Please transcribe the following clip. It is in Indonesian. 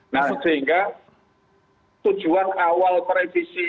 nah sehingga tujuan awal kerevisi itu